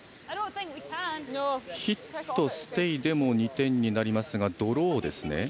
ヒットステイでも２点になりますがドローですね。